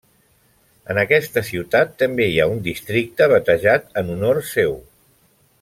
En aquesta ciutat també hi ha un districte batejat en honor seu.